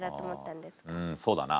うんそうだな。